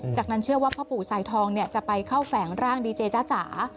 จากนั้นเชื่อว่าพ่อปู่สายทองจะไปเข้าแฝงร่างดีเจจ้าจ๋า